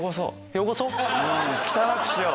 汚くしよう。